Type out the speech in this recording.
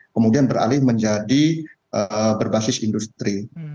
kemudian beralih menjadi berbasis industri